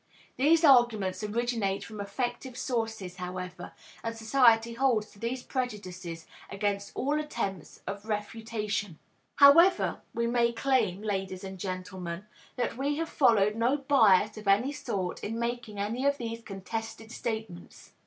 These arguments originate from affective sources, however, and society holds to these prejudices against all attempts at refutation. However, we may claim, ladies and gentlemen, that we have followed no bias of any sort in making any of these contested statements.